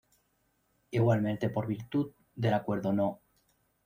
Igualmente por virtud del Acuerdo No.